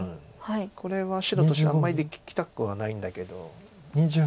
これは白としてはあんまり利きたくはないんだけど。